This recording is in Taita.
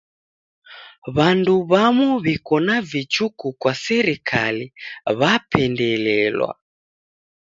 W'andu w'amu w'iko na vichuku kwa serikali w'apendelelwa.